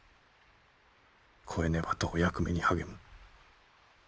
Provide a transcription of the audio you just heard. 超えねばとお役目に励む。